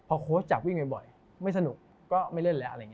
พอโค้ชจับวิ่งบ่อยไม่สนุกก็ไม่เล่นแล้ว